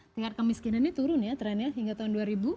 tingkat kemiskinannya turun ya trendnya hingga tahun dua ribu enam belas